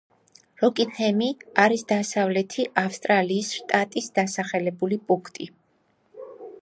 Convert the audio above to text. როკინგჰემი არის დასავლეთი ავსტრალიის შტატის დასახლებული პუნქტი.